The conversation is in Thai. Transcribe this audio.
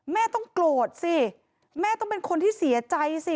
แม่ต้องโกรธสิแม่ต้องเป็นคนที่เสียใจสิ